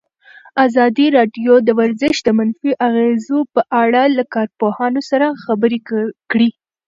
ازادي راډیو د ورزش د منفي اغېزو په اړه له کارپوهانو سره خبرې کړي.